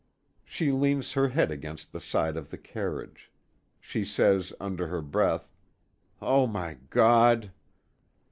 She leans her head against the side of the carriage. She says under her breath, "Oh, my God!"